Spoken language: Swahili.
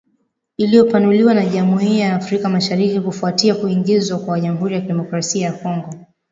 iliyopanuliwa ya Jumuiya ya Afrika Mashariki kufuatia kuingizwa kwa Jamhuri ya Kidemokrasi ya Kongo